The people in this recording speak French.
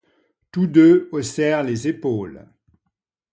Tous deux haussèrent les épaules.